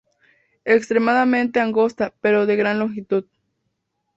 Extremadamente angosta pero de gran longitud.